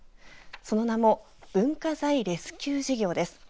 その名も文化財レスキュー事業です。